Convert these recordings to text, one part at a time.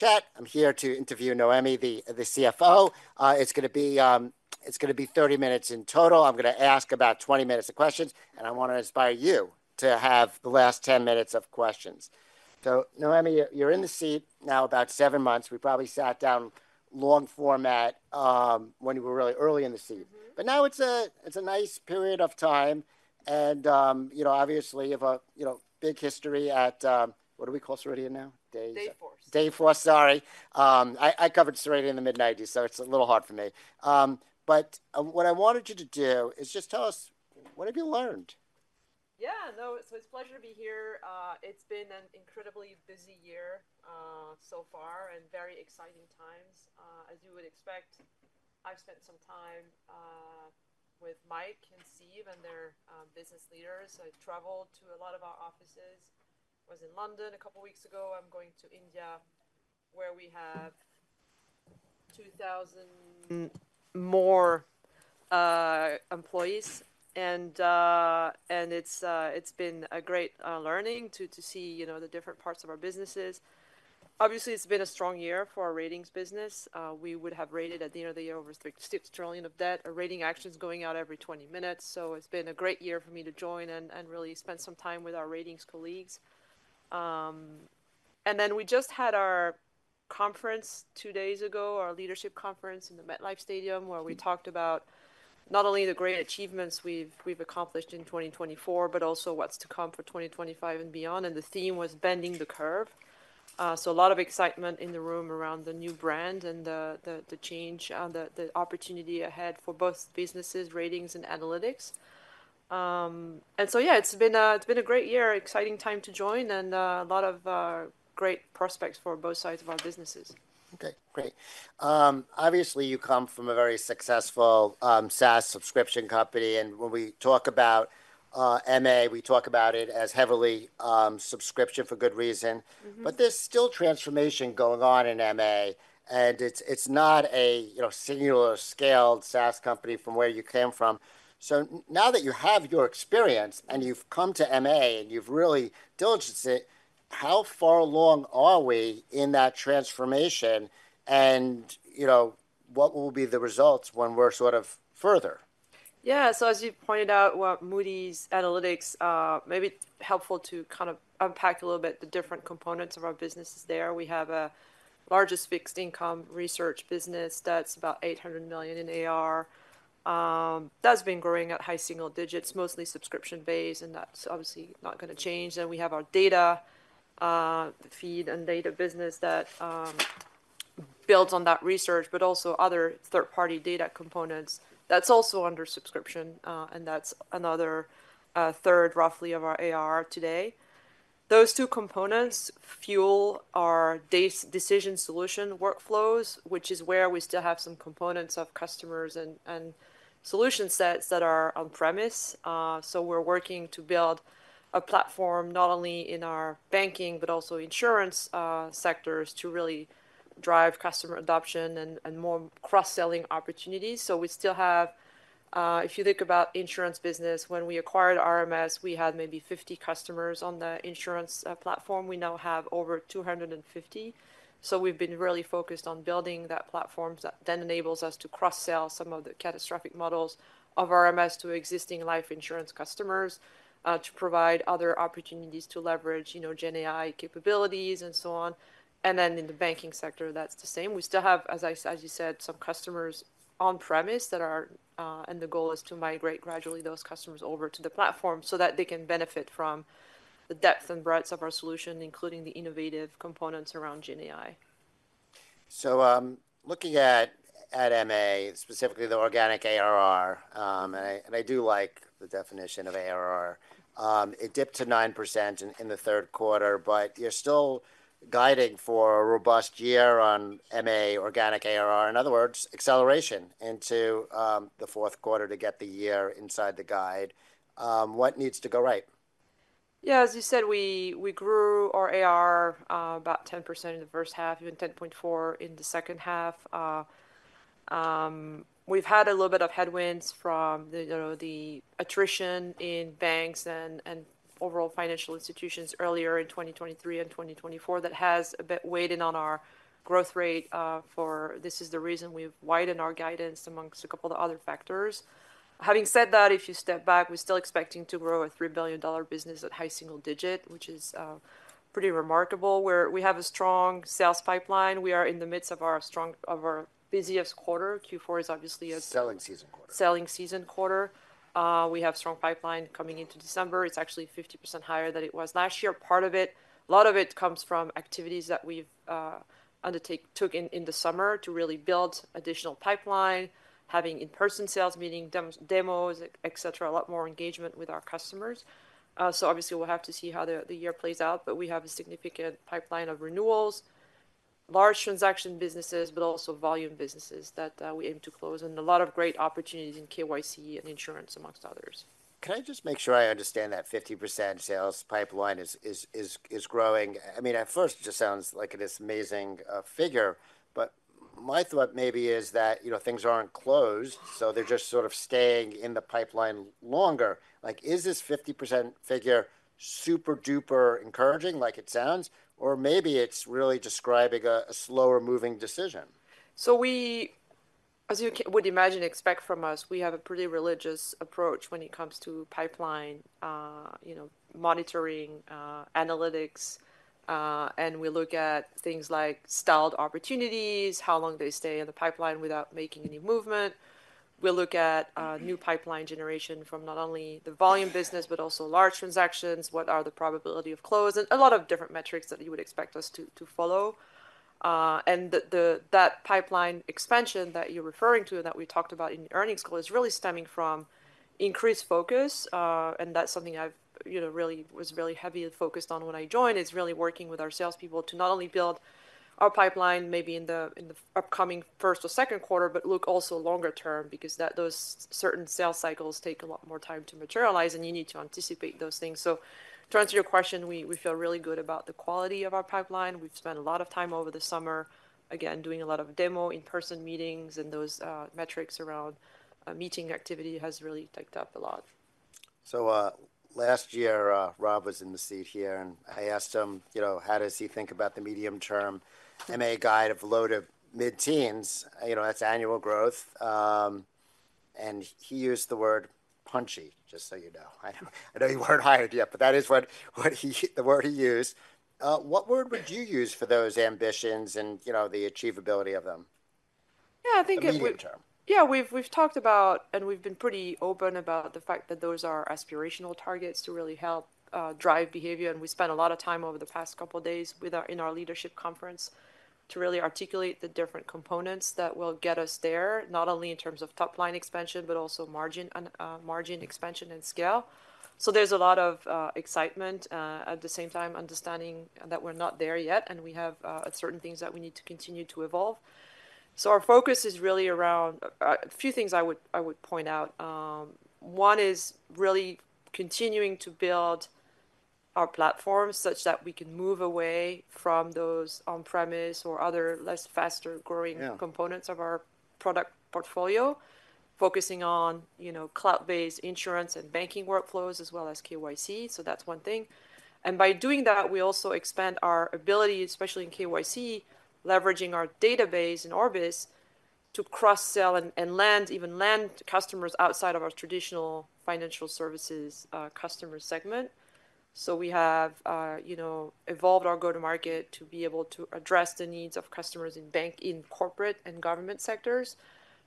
Chat, I'm here to interview Noémie, the CFO. It's going to be 30 minutes in total. I'm going to ask about 20 minutes of questions, and I want to inspire you to have the last 10 minutes of questions. So Noémie, you're in the seat now about seven months. We probably sat down long format when you were really early in the seat. But now it's a nice period of time. And obviously, you have a big history at what we call Ceridian now? Dayforce. Dayforce, sorry. I covered Ceridian in the mid-1990s, so it's a little hard for me. But what I wanted you to do is just tell us, what have you learned? Yeah, no, so it's a pleasure to be here. It's been an incredibly busy year so far and very exciting times. As you would expect, I've spent some time with Mike and Steve and their business leaders. I traveled to a lot of our offices. I was in London a couple of weeks ago. I'm going to India, where we have 2,000 more employees. And it's been a great learning to see the different parts of our businesses. Obviously, it's been a strong year for our ratings business. We would have rated at the end of the year over 6 trillion of debt. Our rating action is going out every 20 minutes. So it's been a great year for me to join and really spend some time with our ratings colleagues. And then we just had our conference two days ago, our leadership conference in the MetLife Stadium, where we talked about not only the great achievements we've accomplished in 2024, but also what's to come for 2025 and beyond. And the theme was bending the curve. So a lot of excitement in the room around the new brand and the change, the opportunity ahead for both businesses, ratings, and analytics. And so yeah, it's been a great year, exciting time to join, and a lot of great prospects for both sides of our businesses. Okay, great. Obviously, you come from a very successful SaaS subscription company. And when we talk about MA, we talk about it as heavily subscription for good reason. But there's still transformation going on in MA. And it's not a singular scaled SaaS company from where you came from. So now that you have your experience and you've come to MA and you've really diligenced it, how far along are we in that transformation? And what will be the results when we're sort of further? Yeah, so as you pointed out, Moody's Analytics may be helpful to kind of unpack a little bit the different components of our businesses there. We have our largest fixed income research business that's about $800 million in AR. That's been growing at high single digits, mostly subscription based, and that's obviously not going to change. Then we have our data feed and data business that builds on that research, but also other third-party data components that's also under subscription. And that's another third roughly of our AR today. Those two components fuel our decision solution workflows, which is where we still have some components of customers and solution sets that are on-premise. So we're working to build a platform not only in our banking, but also insurance sectors to really drive customer adoption and more cross-selling opportunities. So we still have, if you think about insurance business, when we acquired RMS, we had maybe 50 customers on the insurance platform. We now have over 250. So we've been really focused on building that platform that then enables us to cross-sell some of the catastrophic models of RMS to existing life insurance customers to provide other opportunities to leverage Gen AI capabilities and so on. And then in the banking sector, that's the same. We still have, as you said, some customers on-premise that are, and the goal is to migrate gradually those customers over to the platform so that they can benefit from the depth and breadth of our solution, including the innovative components around Gen AI. So looking at MA, specifically the organic ARR, and I do like the definition of ARR, it dipped to 9% in the third quarter, but you're still guiding for a robust year on MA organic ARR. In other words, acceleration into the fourth quarter to get the year inside the guide. What needs to go right? Yeah, as you said, we grew our ARR about 10% in the first half, even 10.4% in the second half. We've had a little bit of headwinds from the attrition in banks and overall financial institutions earlier in 2023 and 2024 that has a bit weighed in on our growth rate. This is the reason we've widened our guidance amongst a couple of other factors. Having said that, if you step back, we're still expecting to grow a $3 billion business at high single digit, which is pretty remarkable. We have a strong sales pipeline. We are in the midst of our busiest quarter. Q4 is obviously a selling season quarter. We have a strong pipeline coming into December. It's actually 50% higher than it was last year. Part of it, a lot of it comes from activities that we've undertaken, took in the summer to really build additional pipeline, having in-person sales, meeting demos, et cetera, a lot more engagement with our customers. Obviously, we'll have to see how the year plays out, but we have a significant pipeline of renewals, large transaction businesses, but also volume businesses that we aim to close, and a lot of great opportunities in KYC and insurance, among others. Can I just make sure I understand that 50% sales pipeline is growing? I mean, at first, it just sounds like an amazing figure, but my thought maybe is that things aren't closed, so they're just sort of staying in the pipeline longer. Is this 50% figure super duper encouraging like it sounds, or maybe it's really describing a slower-moving decision? We, as you would imagine, expect from us. We have a pretty religious approach when it comes to pipeline monitoring, analytics, and we look at things like stalled opportunities, how long they stay in the pipeline without making any movement. We look at new pipeline generation from not only the volume business, but also large transactions, what are the probability of close, and a lot of different metrics that you would expect us to follow. That pipeline expansion that you're referring to and that we talked about in the earnings call is really stemming from increased focus. That's something I really was really heavily focused on when I joined, is really working with our salespeople to not only build our pipeline maybe in the upcoming first or second quarter, but look also longer term because those certain sales cycles take a lot more time to materialize, and you need to anticipate those things. To answer your question, we feel really good about the quality of our pipeline. We've spent a lot of time over the summer, again, doing a lot of demo in-person meetings, and those metrics around meeting activity has really ticked up a lot. So last year, Rob was in the seat here, and I asked him, how does he think about the medium-term MA guide of low to mid-teens? That's annual growth. And he used the word punchy, just so you know. I know you weren't hired yet, but that is the word he used. What word would you use for those ambitions and the achievability of them? Yeah, I think. Medium term. Yeah, we've talked about, and we've been pretty open about the fact that those are aspirational targets to really help drive behavior, and we spent a lot of time over the past couple of days in our leadership conference to really articulate the different components that will get us there, not only in terms of top-line expansion, but also margin expansion and scale. So there's a lot of excitement at the same time, understanding that we're not there yet, and we have certain things that we need to continue to evolve, so our focus is really around a few things I would point out. One is really continuing to build our platforms such that we can move away from those on-premise or other less faster-growing components of our product portfolio, focusing on cloud-based insurance and banking workflows as well as KYC, so that's one thing. By doing that, we also expand our ability, especially in KYC, leveraging our database and Orbis to cross-sell and even land customers outside of our traditional financial services customer segment. So we have evolved our go-to-market to be able to address the needs of customers in corporate and government sectors.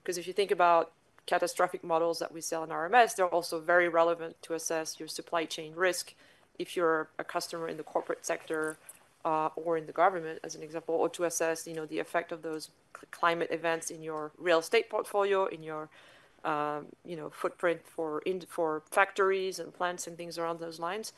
Because if you think about catastrophic models that we sell in RMS, they're also very relevant to assess your supply chain risk if you're a customer in the corporate sector or in the government, as an example, or to assess the effect of those climate events in your real estate portfolio, in your footprint for factories and plants and things around those lines.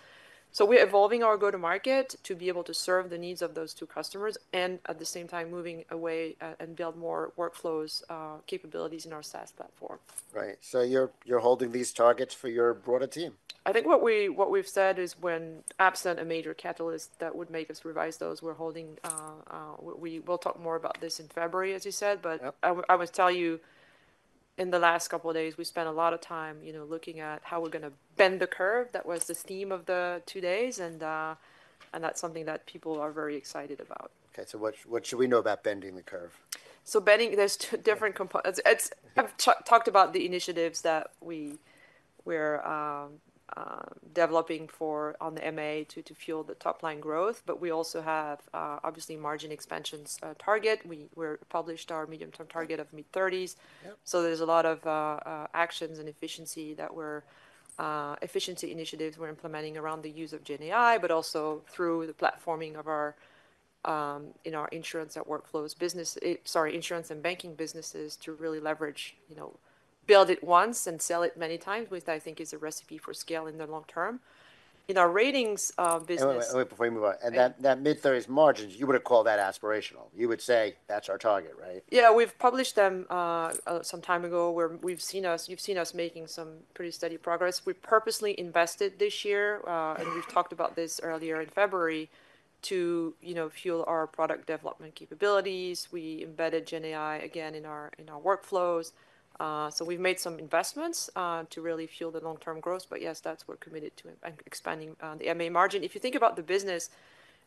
So we're evolving our go-to-market to be able to serve the needs of those two customers and at the same time moving away and build more workflows capabilities in our SaaS platform. Right. So you're holding these targets for your broader team. I think what we've said is, when absent a major catalyst that would make us revise those, we're holding. We will talk more about this in February, as you said. But I would tell you, in the last couple of days, we spent a lot of time looking at how we're going to bend the curve. That was the theme of the two days. And that's something that people are very excited about. Okay, so what should we know about bending the curve? the end, there's two different components. I've talked about the initiatives that we're developing on the MA to fuel the top-line growth, but we also have, obviously, margin expansion target. We published our medium-term target of mid-30s. So there's a lot of actions and efficiency initiatives we're implementing around the use of Gen AI, but also through the platforming of our insurance and banking businesses to really leverage, build it once and sell it many times, which I think is a recipe for scale in the long term. In our ratings business. Before we move on, that mid-30s margins, you would have called that aspirational. You would say, that's our target, right? Yeah, we've published them some time ago. You've seen us making some pretty steady progress. We purposely invested this year, and we've talked about this earlier in February, to fuel our product development capabilities. We embedded Gen AI again in our workflows. So we've made some investments to really fuel the long-term growth. But yes, that's what we're committed to, expanding the MA margin. If you think about the business,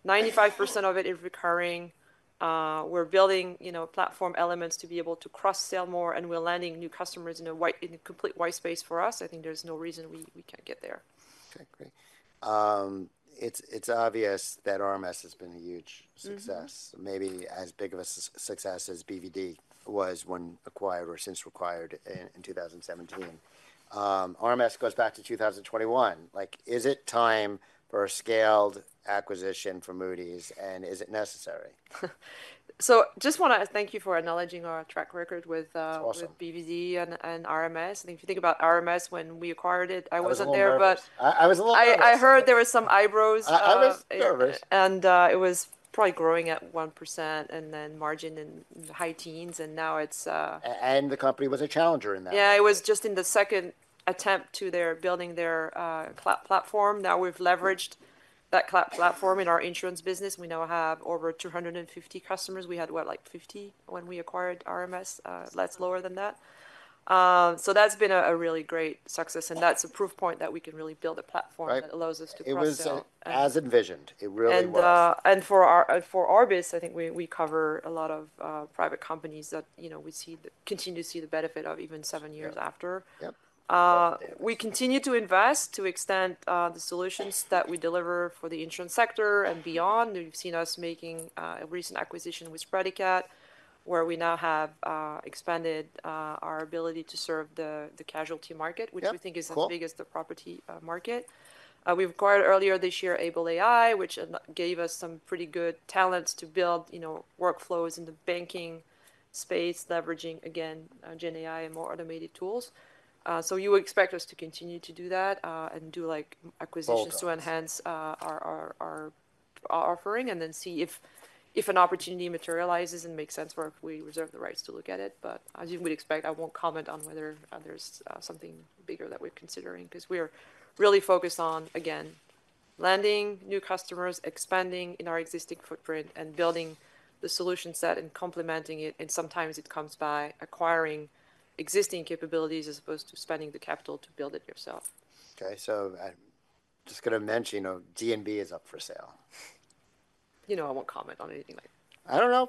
95% of it is recurring. We're building platform elements to be able to cross-sell more, and we're landing new customers in a complete white space for us. I think there's no reason we can't get there. Okay, great. It's obvious that RMS has been a huge success, maybe as big of a success as BvD was when acquired or since acquired in 2017. RMS goes back to 2021. Is it time for a scaled acquisition for Moody's, and is it necessary? So just want to thank you for acknowledging our track record with BvD and RMS. I think if you think about RMS when we acquired it, I wasn't there, but I heard there were some eyebrows. I was nervous. And it was probably growing at 1% and then margin in the high teens, and now it's. The company was a challenger in that. Yeah, it was just in the second attempt at building their cloud platform. Now we've leveraged that cloud platform in our insurance business. We now have over 250 customers. We had, what, like 50 when we acquired RMS, less lower than that. So that's been a really great success, and that's a proof point that we can really build a platform that allows us to cross-sell. It was as envisioned. It really was. For Orbis, I think we cover a lot of private companies that we continue to see the benefit of even seven years after. We continue to invest to extend the solutions that we deliver for the insurance sector and beyond. You've seen us making a recent acquisition with Praedicat, where we now have expanded our ability to serve the casualty market, which we think is as big as the property market. We've acquired earlier this year Aible AI, which gave us some pretty good talents to build workflows in the banking space, leveraging, again, Gen AI and more automated tools. So you would expect us to continue to do that and do acquisitions to enhance our offering and then see if an opportunity materializes and makes sense for us. We reserve the rights to look at it. But as you would expect, I won't comment on whether there's something bigger that we're considering because we're really focused on, again, landing new customers, expanding in our existing footprint, and building the solution set and complementing it. And sometimes it comes by acquiring existing capabilities as opposed to spending the capital to build it yourself. Okay, so I'm just going to mention D&B is up for sale. You know I won't comment on anything like that. I don't know.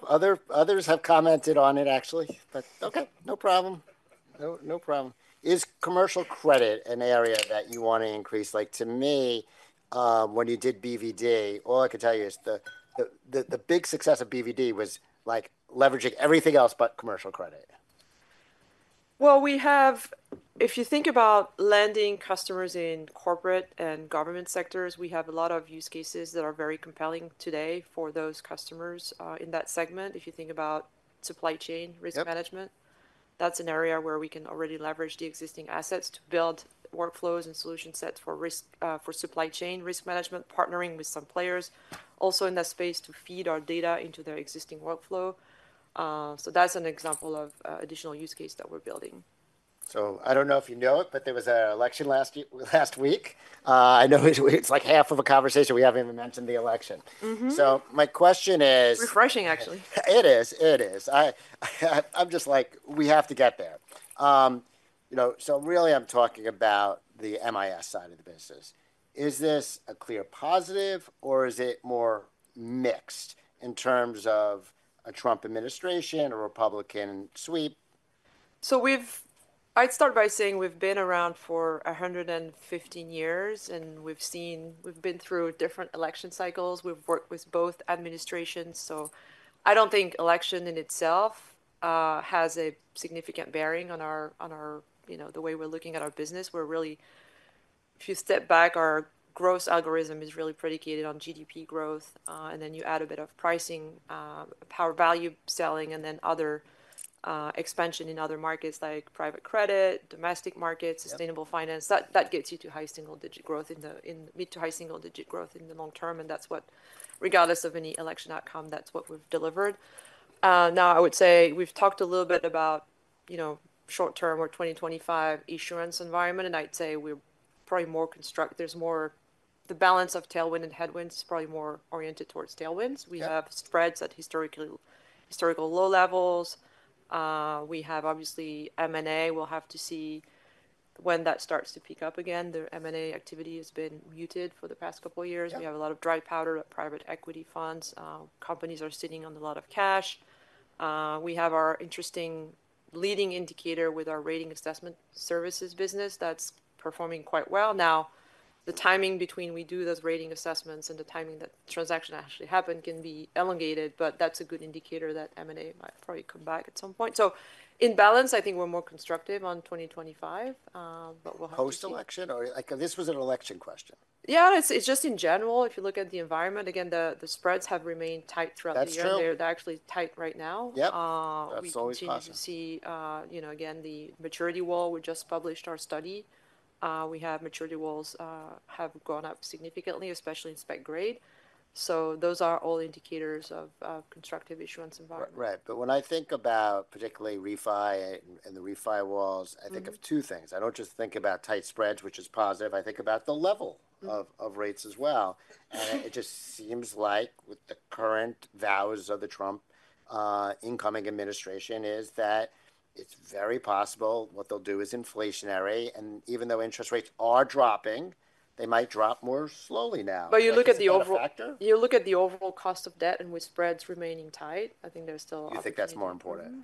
Others have commented on it, actually. But okay, no problem. No problem. Is commercial credit an area that you want to increase? To me, when you did BVD, all I could tell you is the big success of BVD was leveraging everything else but commercial credit. If you think about landing customers in corporate and government sectors, we have a lot of use cases that are very compelling today for those customers in that segment. If you think about supply chain risk management, that's an area where we can already leverage the existing assets to build workflows and solution sets for supply chain risk management, partnering with some players also in that space to feed our data into their existing workflow. That's an example of an additional use case that we're building. I don't know if you know it, but there was an election last week. I know it's like half of a conversation. We haven't even mentioned the election. My question is. Refreshing, actually. It is. It is. I'm just like, we have to get there. So really, I'm talking about the MIS side of the business. Is this a clear positive, or is it more mixed in terms of a Trump administration or Republican sweep? So I'd start by saying we've been around for 115 years, and we've been through different election cycles. We've worked with both administrations. So I don't think election in itself has a significant bearing on the way we're looking at our business. If you step back, our growth algorithm is really predicated on GDP growth. And then you add a bit of pricing power, value selling, and then other expansion in other markets like private credit, domestic markets, sustainable finance. That gets you to high single-digit growth in the mid to high single-digit growth in the long term. And regardless of any election outcome, that's what we've delivered. Now, I would say we've talked a little bit about short-term, our 2025 insurance environment. And I'd say we're probably more constructive. The balance of tailwind and headwinds is probably more oriented towards tailwinds. We have spreads at historically low levels. We have, obviously, M&A. We'll have to see when that starts to pick up again. The M&A activity has been muted for the past couple of years. We have a lot of dry powder at private equity funds. Companies are sitting on a lot of cash. We have our interesting leading indicator with our rating assessment services business that's performing quite well. Now, the timing between we do those rating assessments and the timing that transaction actually happened can be elongated, but that's a good indicator that M&A might probably come back at some point. So in balance, I think we're more constructive on 2025, but we'll have to see. Post-election? Or this was an election question. Yeah, it's just in general. If you look at the environment, again, the spreads have remained tight throughout the year. They're actually tight right now. Yep. That's always possible. You can see, again, the maturity wall. We just published our study. Maturity walls have gone up significantly, especially in spec grade. So those are all indicators of constructive issuance environment. Right, but when I think about particularly refi and the refi walls, I think of two things. I don't just think about tight spreads, which is positive. I think about the level of rates as well, and it just seems like with the current vows of the Trump incoming administration is that it's very possible what they'll do is inflationary, and even though interest rates are dropping, they might drop more slowly now. But you look at the overall. Is that a factor? You look at the overall cost of debt and with spreads remaining tight, I think there's still. You think that's more important.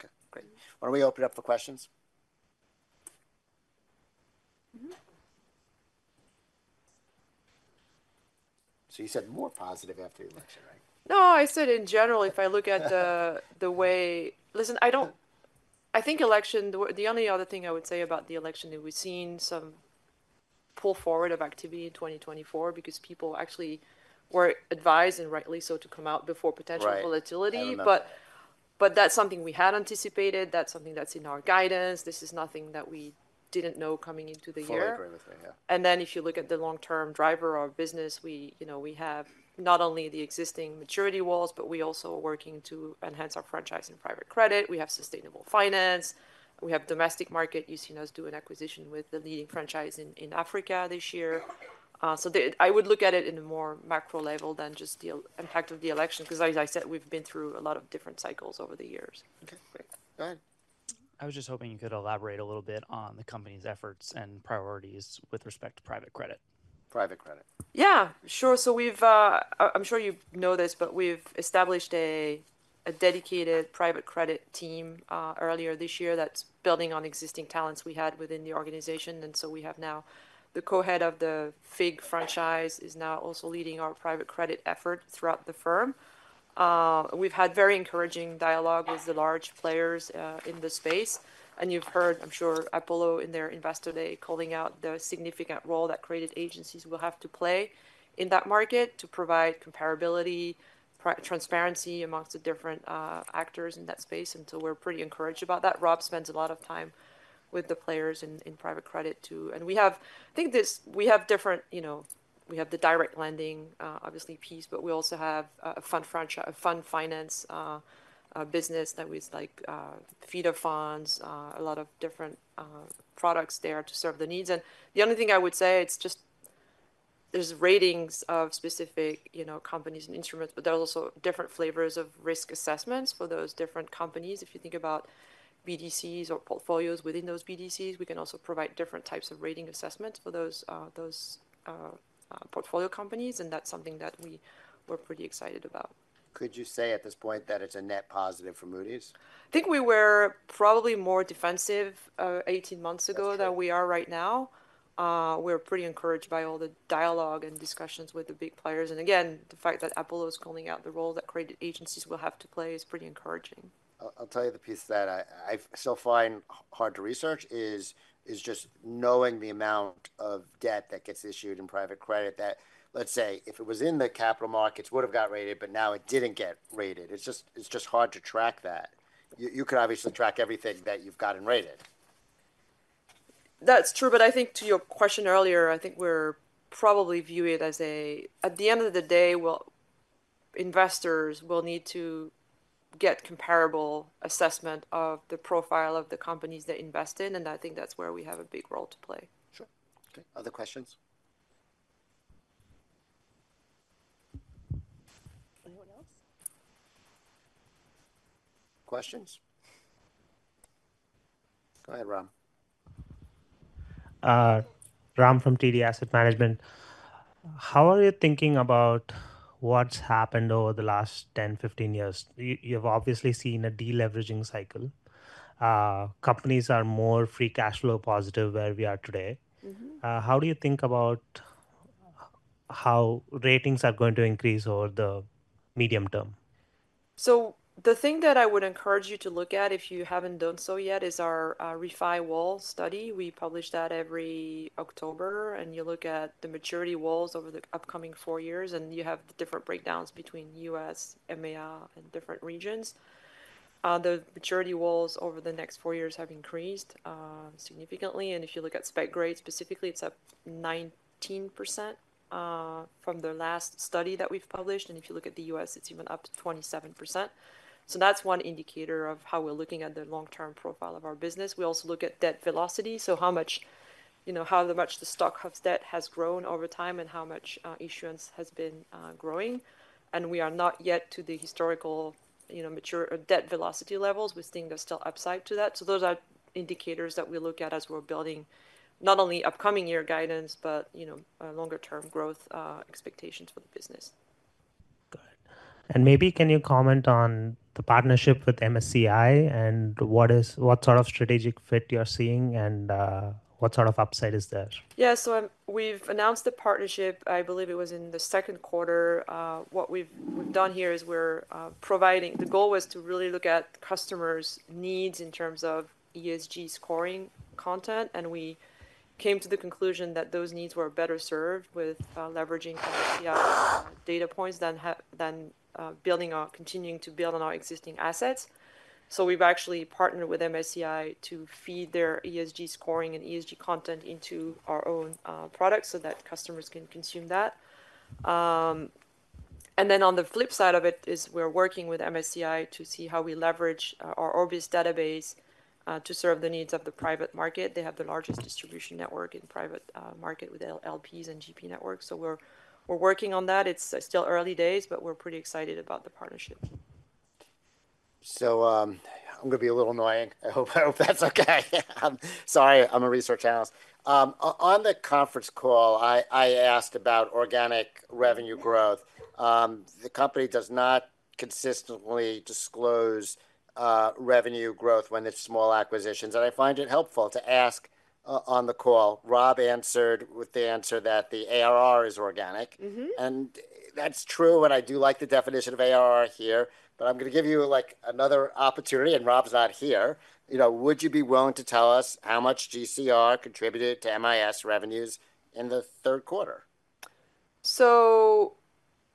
Okay, great. Why don't we open it up for questions? So you said more positive after the election, right? No, I said in general, if I look at the way, listen, I think election the only other thing I would say about the election that we've seen some pull forward of activity in 2024 because people actually were advised and rightly so to come out before potential volatility. But that's something we had anticipated. That's something that's in our guidance. This is nothing that we didn't know coming into the year. I would agree with you, yeah. And then, if you look at the long-term driver of our business, we have not only the existing maturity walls, but we also are working to enhance our franchise and private credit. We have sustainable finance. We have domestic market. You've seen us do an acquisition with the leading franchise in Africa this year. So I would look at it in a more macro level than just the impact of the election because, as I said, we've been through a lot of different cycles over the years. Okay, great. Go ahead. I was just hoping you could elaborate a little bit on the company's efforts and priorities with respect to private credit. Private credit. Yeah, sure. So I'm sure you know this, but we've established a dedicated private credit team earlier this year that's building on existing talents we had within the organization. And so we have now the co-head of the FIG franchise is now also leading our private credit effort throughout the firm. We've had very encouraging dialogue with the large players in the space. And you've heard, I'm sure, Apollo in their Investor Day calling out the significant role that credit agencies will have to play in that market to provide comparability, transparency amongst the different actors in that space. And so we're pretty encouraged about that. Rob spends a lot of time with the players in private credit too. I think we have the direct lending, obviously, piece, but we also have a fund finance business that we like LBO funds, a lot of different products there to serve the needs. The only thing I would say, it's just there's ratings of specific companies and instruments, but there are also different flavors of risk assessments for those different companies. If you think about BDCs or portfolios within those BDCs, we can also provide different types of rating assessments for those portfolio companies. That's something that we were pretty excited about. Could you say at this point that it's a net positive for Moody's? I think we were probably more defensive 18 months ago than we are right now. We're pretty encouraged by all the dialogue and discussions with the big players. Again, the fact that Apollo is calling out the role that credit agencies will have to play is pretty encouraging. I'll tell you the piece that I still find hard to research is just knowing the amount of debt that gets issued in private credit that, let's say, if it was in the capital markets, would have got rated, but now it didn't get rated. It's just hard to track that. You could obviously track everything that you've gotten rated. That's true. But I think to your question earlier, I think we're probably viewing it as, at the end of the day, investors will need to get comparable assessment of the profile of the companies they invest in. And I think that's where we have a big role to play. Sure. Okay. Other questions? Anyone else? Questions? Go ahead, Rob. Ram from TD Asset Management. How are you thinking about what's happened over the last 10, 15 years? You have obviously seen a deleveraging cycle. Companies are more free cash flow positive where we are today. How do you think about how ratings are going to increase over the medium term? So the thing that I would encourage you to look at if you haven't done so yet is our refi wall study. We publish that every October, and you look at the maturity walls over the upcoming four years, and you have the different breakdowns between U.S., EMEA, and different regions. The maturity walls over the next four years have increased significantly, and if you look at spec grade specifically, it's up 19% from the last study that we've published, and if you look at the U.S., it's even up to 27%. So that's one indicator of how we're looking at the long-term profile of our business. We also look at debt velocity, so how much the stock of debt has grown over time and how much issuance has been growing, and we are not yet to the historical debt velocity levels. We think there's still upside to that. So those are indicators that we look at as we're building not only upcoming year guidance, but longer-term growth expectations for the business. Good, and maybe can you comment on the partnership with MSCI and what sort of strategic fit you're seeing and what sort of upside is there? Yeah, so we've announced the partnership. I believe it was in the second quarter. What we've done here is we're providing. The goal was to really look at customers' needs in terms of ESG scoring content. And we came to the conclusion that those needs were better served with leveraging MSCI data points than continuing to build on our existing assets. So we've actually partnered with MSCI to feed their ESG scoring and ESG content into our own products so that customers can consume that. And then on the flip side of it is we're working with MSCI to see how we leverage our Orbis database to serve the needs of the private market. They have the largest distribution network in private market with LPs and GP networks. So we're working on that. It's still early days, but we're pretty excited about the partnership. So I'm going to be a little annoying. I hope that's okay. Sorry, I'm a research analyst. On the conference call, I asked about organic revenue growth. The company does not consistently disclose revenue growth when it's small acquisitions. And I find it helpful to ask on the call. Rob answered with the answer that the ARR is organic. And that's true. And I do like the definition of ARR here. But I'm going to give you another opportunity. And Rob's not here. Would you be willing to tell us how much GCR contributed to MIS revenues in the third quarter? So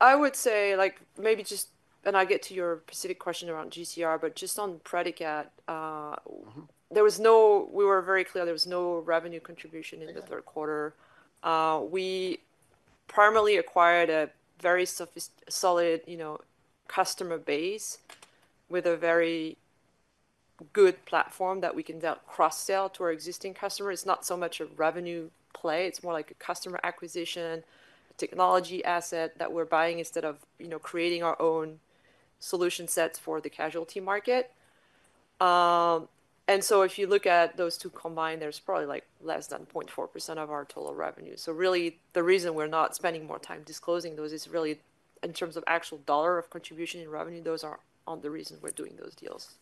I would say maybe just, and I get to your specific question around GCR, but just on Praedicat, we were very clear there was no revenue contribution in the third quarter. We primarily acquired a very solid customer base with a very good platform that we can cross-sell to our existing customers. It's not so much a revenue play. It's more like a customer acquisition, a technology asset that we're buying instead of creating our own solution sets for the casualty market. And so if you look at those two combined, there's probably less than 0.4% of our total revenue. So really, the reason we're not spending more time disclosing those is really in terms of actual dollar of contribution in revenue. Those are the reasons we're doing those deals.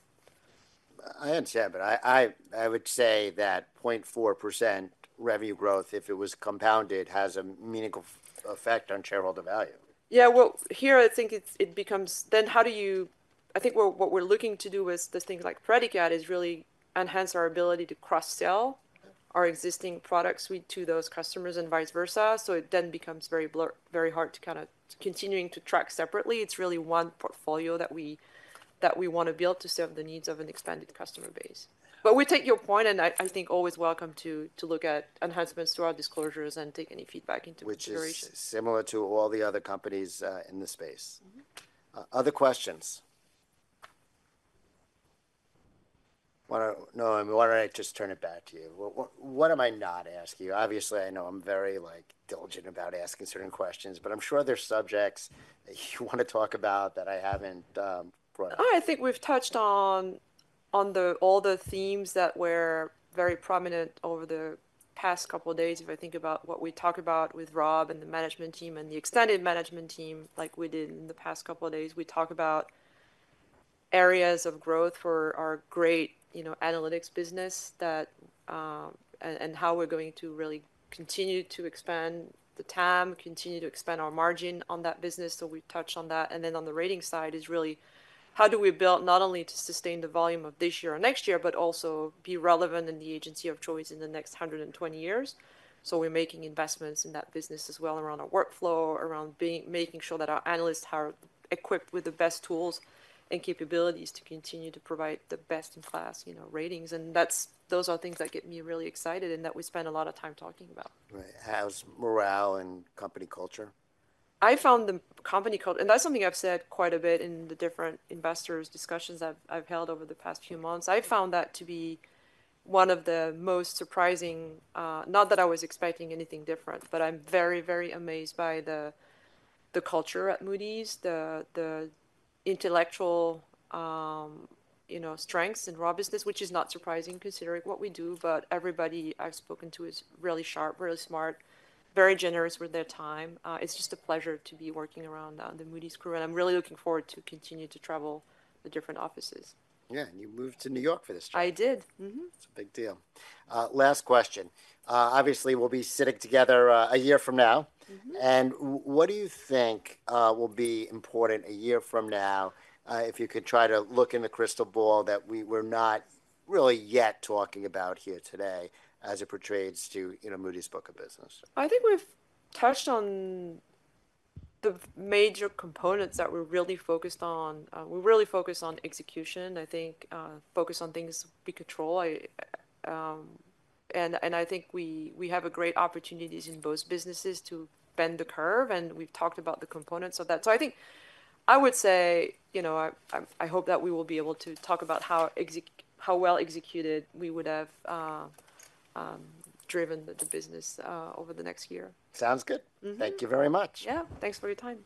I understand, but I would say that 0.4% revenue growth, if it was compounded, has a meaningful effect on shareholder value. Yeah, well, here, I think it becomes then I think what we're looking to do with things like Praedicat is really enhance our ability to cross-sell our existing products to those customers and vice versa. So it then becomes very hard to kind of continuing to track separately. It's really one portfolio that we want to build to serve the needs of an expanded customer base. But we take your point, and I think always welcome to look at enhancements to our disclosures and take any feedback into consideration. Which is similar to all the other companies in the space. Other questions? No, I mean, why don't I just turn it back to you? What am I not asking you? Obviously, I know I'm very diligent about asking certain questions, but I'm sure there's subjects that you want to talk about that I haven't. Oh, I think we've touched on all the themes that were very prominent over the past couple of days. If I think about what we talked about with Rob and the management team and the extended management team like we did in the past couple of days, we talked about areas of growth for our great analytics business and how we're going to really continue to expand the TAM, continue to expand our margin on that business. So we touched on that. And then on the rating side is really how do we build not only to sustain the volume of this year or next year, but also be relevant in the agency of choice in the next 120 years. So we're making investments in that business as well around our workflow, around making sure that our analysts are equipped with the best tools and capabilities to continue to provide the best-in-class ratings. And those are things that get me really excited and that we spend a lot of time talking about. Right. How's morale and company culture? I found the company culture and that's something I've said quite a bit in the different investors' discussions I've held over the past few months. I found that to be one of the most surprising, not that I was expecting anything different, but I'm very, very amazed by the culture at Moody's, the intellectual strengths in Rob's business, which is not surprising considering what we do, but everybody I've spoken to is really sharp, really smart, very generous with their time. It's just a pleasure to be working around the Moody's crew, and I'm really looking forward to continue to travel the different offices. Yeah, and you moved to New York for this job. I did. It's a big deal. Last question. Obviously, we'll be sitting together a year from now. And what do you think will be important a year from now if you could try to look in the crystal ball that we're not really yet talking about here today as it pertains to Moody's book of business? I think we've touched on the major components that we're really focused on. We really focus on execution, I think, focus on things we control, and I think we have great opportunities in both businesses to bend the curve, and we've talked about the components of that, so I think I would say I hope that we will be able to talk about how well executed we would have driven the business over the next year. Sounds good. Thank you very much. Yeah, thanks for your time.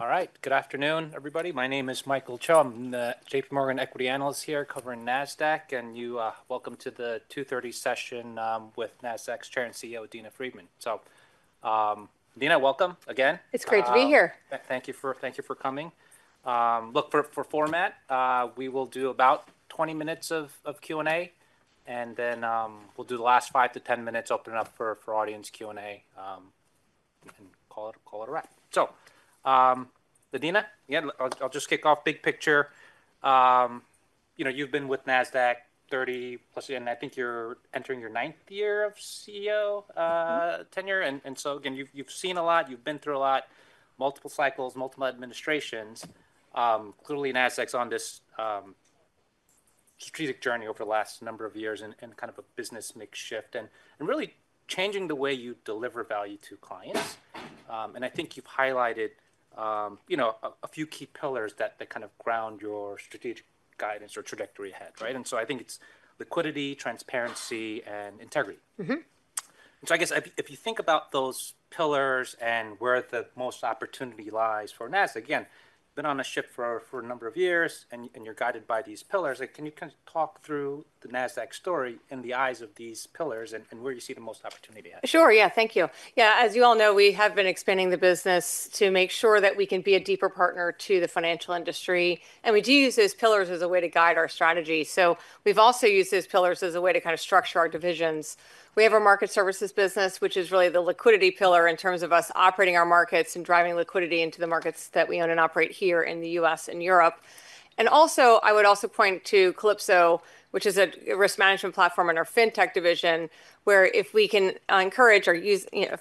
All right. Good afternoon, everybody. My name is Michael Cho. I'm the J.P. Morgan equity analyst here covering Nasdaq. And welcome to the 2:30 P.M. session with Nasdaq's Chair and CEO, Adena Friedman. So Adena, welcome again. It's great to be here. Thank you for coming. Look, for format, we will do about 20 minutes of Q&A, and then we'll do the last 5-10 minutes opening up for audience Q&A and call it a wrap. Adena, again, I'll just kick off big picture. You've been with Nasdaq 30-plus, and I think you're entering your ninth year of CEO tenure. You've seen a lot. You've been through a lot, multiple cycles, multiple administrations. Clearly, Nasdaq's on this strategic journey over the last number of years and kind of a business mix shift and really changing the way you deliver value to clients. I think you've highlighted a few key pillars that kind of ground your strategic guidance or trajectory ahead. I think it's liquidity, transparency, and integrity. So I guess if you think about those pillars and where the most opportunity lies for Nasdaq, again, been on a ship for a number of years, and you're guided by these pillars, can you kind of talk through the Nasdaq story in the eyes of these pillars and where you see the most opportunity ahead? Sure. Yeah, thank you. Yeah, as you all know, we have been expanding the business to make sure that we can be a deeper partner to the financial industry. And we do use those pillars as a way to guide our strategy. So we've also used those pillars as a way to kind of structure our divisions. We have our market services business, which is really the liquidity pillar in terms of us operating our markets and driving liquidity into the markets that we own and operate here in the U.S. and Europe. And also, I would also point to Calypso, which is a risk management platform in our fintech division, where if we can encourage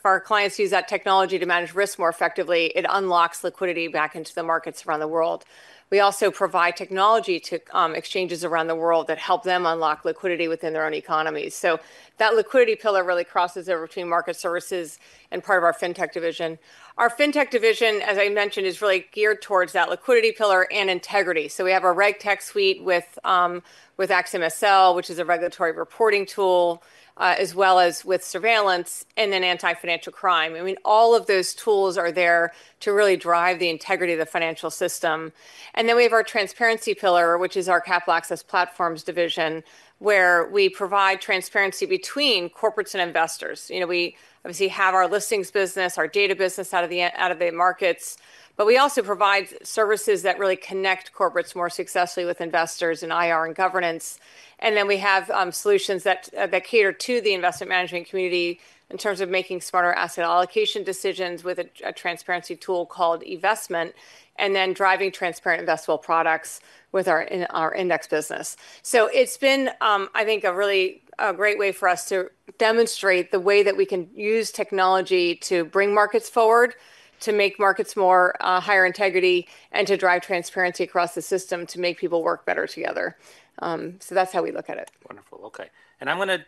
our clients to use that technology to manage risk more effectively, it unlocks liquidity back into the markets around the world. We also provide technology to exchanges around the world that help them unlock liquidity within their own economies. So that liquidity pillar really crosses over between market services and part of our fintech division. Our fintech division, as I mentioned, is really geared towards that liquidity pillar and integrity. So we have our RegTech suite with AxiomSL, which is a regulatory reporting tool, as well as with surveillance and then anti-financial crime. I mean, all of those tools are there to really drive the integrity of the financial system. And then we have our transparency pillar, which is our Capital Access Platforms division, where we provide transparency between corporates and investors. We obviously have our listings business, our data business out of the markets. But we also provide services that really connect corporates more successfully with investors and IR and governance. And then we have solutions that cater to eVestment management community in terms of making smarter asset allocation decisions with a transparency tool called eVestment and then driving transparent investable products with our index business. So it's been, I think, a really great way for us to demonstrate the way that we can use technology to bring markets forward, to make markets more higher integrity, and to drive transparency across the system to make people work better together. So that's how we look at it. Wonderful. OK. And I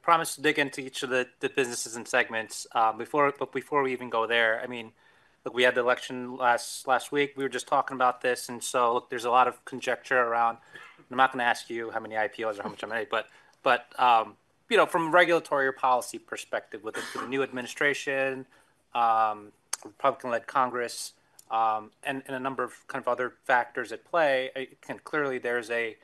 promised to dig into each of the businesses and segments. But before we even go there, I mean, look, we had the election last week. We were just talking about this. And so there's a lot of conjecture around, and I'm not going to ask you how many IPOs or how much I made, but from a regulatory or policy perspective with the new administration, Republican-led Congress, and a number of kind of other factors at play, clearly there's a,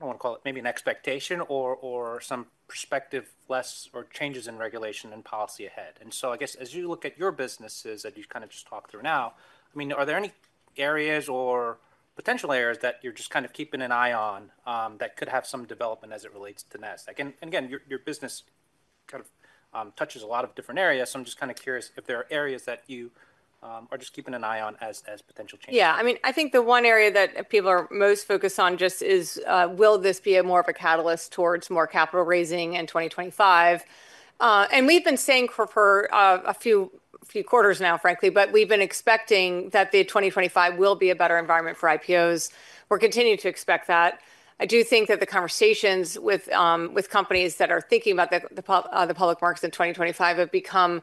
I don't want to call it maybe an expectation or some perspective less or changes in regulation and policy ahead. And so I guess as you look at your businesses that you kind of just talked through now, I mean, are there any areas or potential areas that you're just kind of keeping an eye on that could have some development as it relates to Nasdaq? And again, your business kind of touches a lot of different areas. So I'm just kind of curious if there are areas that you are just keeping an eye on as potential changes? Yeah. I mean, I think the one area that people are most focused on just is, will this be more of a catalyst towards more capital raising in 2025? We've been saying for a few quarters now, frankly, but we've been expecting that 2025 will be a better environment for IPOs. We're continuing to expect that. I do think that the conversations with companies that are thinking about the public markets in 2025 have become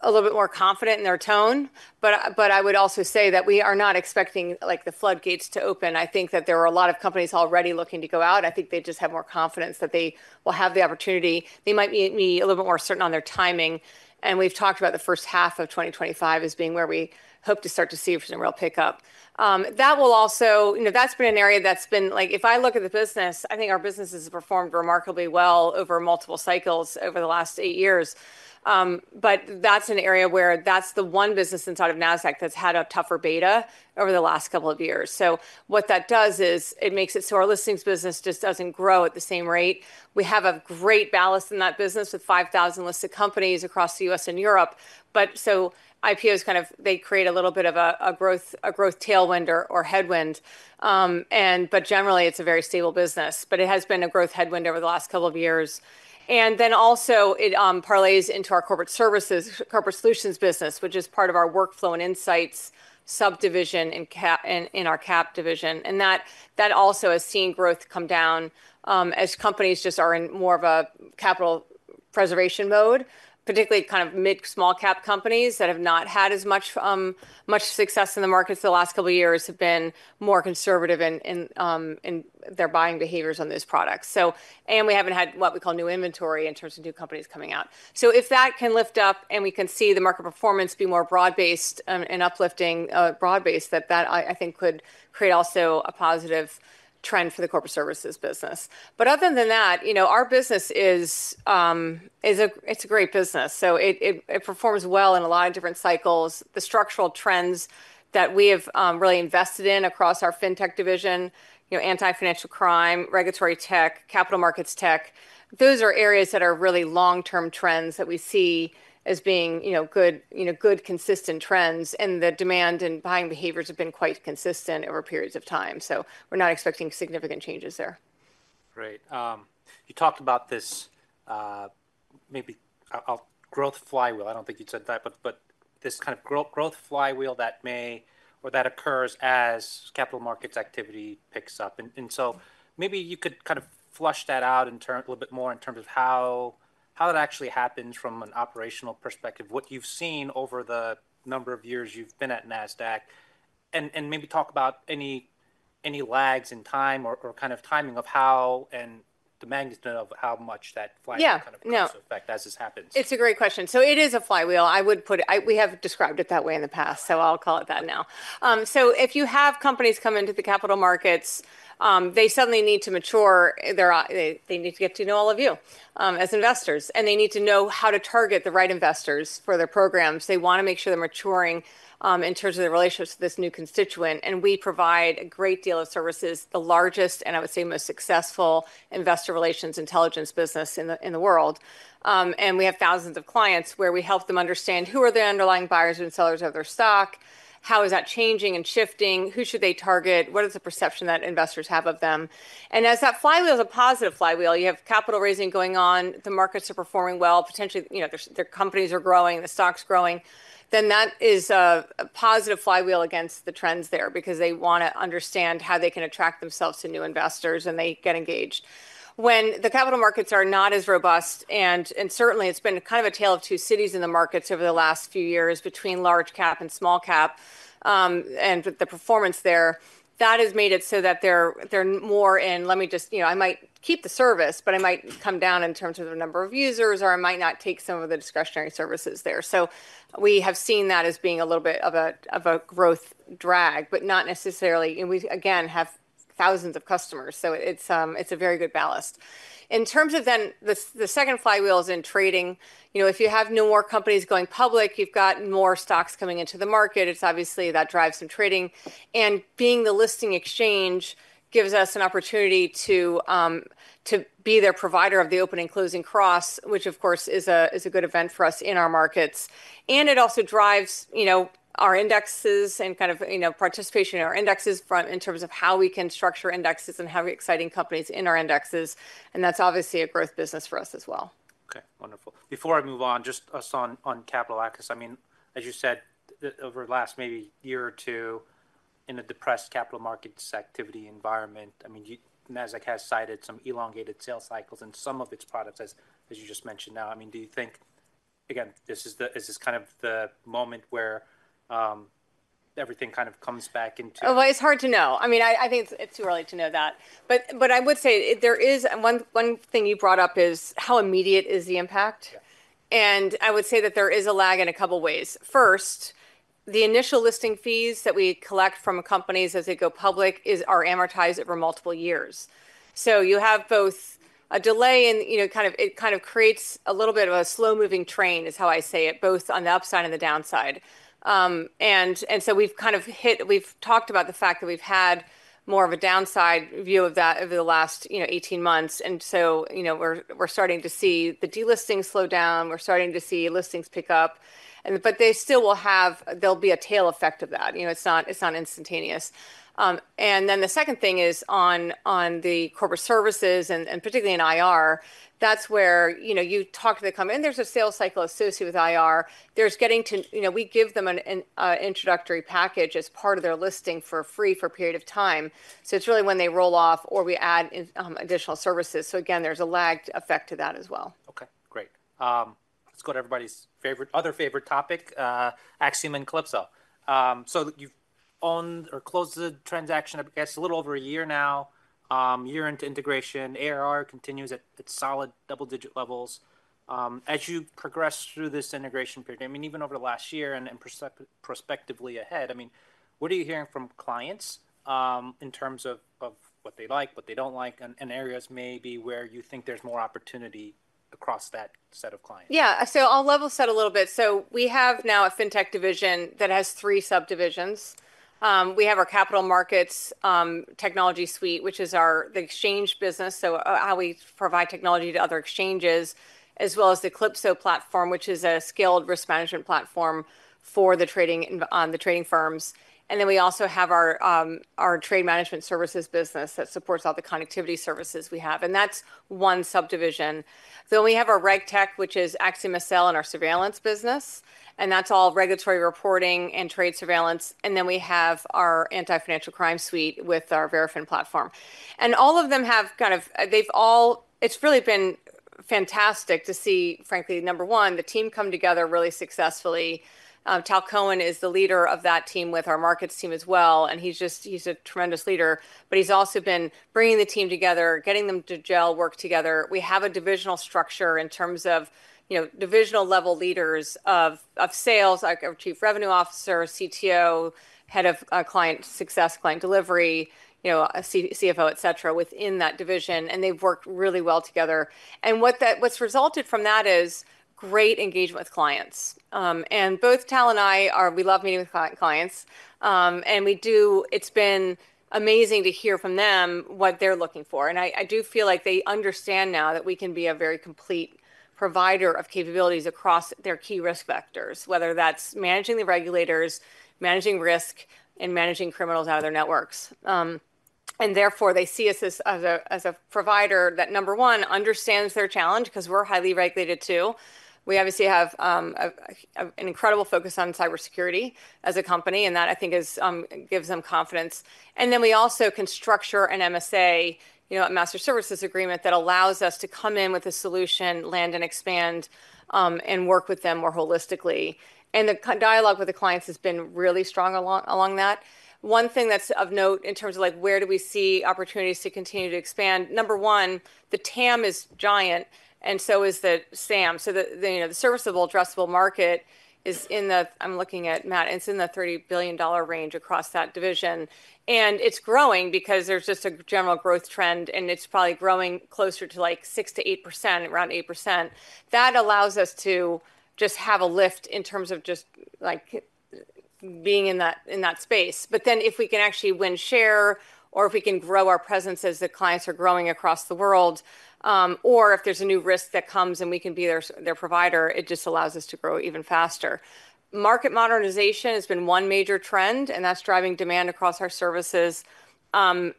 a little bit more confident in their tone. But I would also say that we are not expecting the floodgates to open. I think that there are a lot of companies already looking to go out. I think they just have more confidence that they will have the opportunity. They might be a little bit more certain on their timing. And we've talked about the first half of 2025 as being where we hope to start to see a real pickup. That will also. That's been an area that's been, like, if I look at the business, I think our business has performed remarkably well over multiple cycles over the last eight years. But that's an area where that's the one business inside of Nasdaq that's had a tougher beta over the last couple of years. So what that does is it makes it so our listings business just doesn't grow at the same rate. We have a great balance in that business with 5,000 listed companies across the U.S. and Europe. But so IPOs kind of, they create a little bit of a growth tailwind or headwind. But generally, it's a very stable business. But it has been a growth headwind over the last couple of years. And then also it parlays into our corporate services, corporate solutions business, which is part of our workflow and insights subdivision in our cap division, and that also has seen growth come down as companies just are in more of a capital preservation mode, particularly kind of mid- to small-cap companies that have not had as much success in the markets the last couple of years have been more conservative in their buying behaviors on those products, and we haven't had what we call new inventory in terms of new companies coming out, so if that can lift up and we can see the market performance be more broad-based and uplifting, that I think could create also a positive trend for the corporate services business, but other than that, our business is a great business, so it performs well in a lot of different cycles. The structural trends that we have really invested in across our fintech division, anti-financial crime, regulatory tech, capital markets tech, those are areas that are really long-term trends that we see as being good, consistent trends. And the demand and buying behaviors have been quite consistent over periods of time. So we're not expecting significant changes there. Great. You talked about this maybe growth flywheel. I don't think you said that. But this kind of growth flywheel that may or that occurs as capital markets activity picks up, and so maybe you could kind of flesh that out a little bit more in terms of how that actually happens from an operational perspective, what you've seen over the number of years you've been at Nasdaq, and maybe talk about any lags in time or kind of timing of how and the magnitude of how much that flywheel kind of has an effect as this happens. It's a great question. So it is a flywheel. We have described it that way in the past. So I'll call it that now. So if you have companies come into the capital markets, they suddenly need to mature. They need to get to know all of you as investors. And they need to know how to target the right investors for their programs. They want to make sure they're maturing in terms of their relationships to this new constituent. And we provide a great deal of services, the largest and I would say most successful investor relations intelligence business in the world. And we have thousands of clients where we help them understand who are the underlying buyers and sellers of their stock, how is that changing and shifting, who should they target, what is the perception that investors have of them. As that flywheel is a positive flywheel, you have capital raising going on, the markets are performing well, potentially their companies are growing, the stock's growing. That is a positive flywheel against the trends there because they want to understand how they can attract themselves to new investors and they get engaged. When the capital markets are not as robust, and certainly it's been kind of a tale of two cities in the markets over the last few years between large cap and small cap and the performance there, that has made it so that they're more in. I might keep the service, but I might come down in terms of the number of users or I might not take some of the discretionary services there. We have seen that as being a little bit of a growth drag, but not necessarily. We, again, have thousands of customers. So it's a very good balance. In terms of then the second flywheel is in trading. If you have newer companies going public, you've got more stocks coming into the market. It's obviously that drives some trading. And being the listing exchange gives us an opportunity to be their provider of the opening closing cross, which of course is a good event for us in our markets. And it also drives our indexes and kind of participation in our indexes in terms of how we can structure indexes and have exciting companies in our indexes. And that's obviously a growth business for us as well. OK. Wonderful. Before I move on, just on capital access, I mean, as you said, over the last maybe year or two in a depressed capital markets activity environment, I mean, Nasdaq has cited some elongated sales cycles in some of its products, as you just mentioned now. I mean, do you think, again, this is kind of the moment where everything kind of comes back into. It's hard to know. I mean, I think it's too early to know that. But I would say there is one thing you brought up is how immediate is the impact. And I would say that there is a lag in a couple of ways. First, the initial listing fees that we collect from companies as they go public are amortized over multiple years. So you have both a delay in kind of it kind of creates a little bit of a slow-moving train, is how I say it, both on the upside and the downside. And so we've kind of hit, we've talked about the fact that we've had more of a downside view of that over the last 18 months. And so we're starting to see the delisting slow down. We're starting to see listings pick up. But they still will have, there'll be a tail effect of that. It's not instantaneous. And then the second thing is on the corporate services and particularly in IR, that's where you talk to the company. And there's a sales cycle associated with IR. There's getting to, we give them an introductory package as part of their listing for free for a period of time. So it's really when they roll off or we add additional services. So again, there's a lagged effect to that as well. OK. Great. Let's go to everybody's other favorite topic, Axiom and Calypso. So you've owned or closed the transaction, I guess, a little over a year now. A year into integration, ARR continues at solid double-digit levels. As you progress through this integration period, I mean, even over the last year and prospectively ahead, I mean, what are you hearing from clients in terms of what they like, what they don't like, and areas maybe where you think there's more opportunity across that set of clients? Yeah. So I'll level set a little bit. So we have now a fintech division that has three subdivisions. We have our Capital Markets Technology suite, which is the exchange business, so how we provide technology to other exchanges, as well as the Calypso platform, which is a scaled risk management platform for the trading firms. And then we also have our Trade Management Services business that supports all the connectivity services we have. And that's one subdivision. Then we have our reg tech, which is Axiom SL and our surveillance business. And that's all regulatory reporting and trade surveillance. And then we have our anti-financial crime suite with our Verafin platform. And all of them have kind of, they've all, it's really been fantastic to see, frankly, number one, the team come together really successfully. Tal Cohen is the leader of that team with our markets team as well. And he's just, he's a tremendous leader. But he's also been bringing the team together, getting them to gel work together. We have a divisional structure in terms of divisional level leaders of sales, our Chief Revenue Officer, CTO, Head of Client Success, Client Delivery, CFO, et cetera, within that division. And they've worked really well together. And what's resulted from that is great engagement with clients. And both Tal and I are, we love meeting with clients. And we do, it's been amazing to hear from them what they're looking for. And I do feel like they understand now that we can be a very complete provider of capabilities across their key risk vectors, whether that's managing the regulators, managing risk, and managing criminals out of their networks. And therefore, they see us as a provider that, number one, understands their challenge because we're highly regulated too. We obviously have an incredible focus on cybersecurity as a company. And that, I think, gives them confidence. And then we also can structure an MSA, a master services agreement that allows us to come in with a solution, land and expand, and work with them more holistically. And the dialogue with the clients has been really strong along that. One thing that's of note in terms of where do we see opportunities to continue to expand, number one, the TAM is giant. And so is the SAM. So the serviceable addressable market is in the, I'm looking at, Matt, it's in the $30 billion range across that division. And it's growing because there's just a general growth trend. And it's probably growing closer to like 6%-8%, around 8%. That allows us to just have a lift in terms of just being in that space. But then if we can actually win share or if we can grow our presence as the clients are growing across the world, or if there's a new risk that comes and we can be their provider, it just allows us to grow even faster. Market modernization has been one major trend. And that's driving demand across our services. And